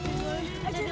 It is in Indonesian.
bisa beli aja